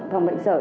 phòng bệnh sở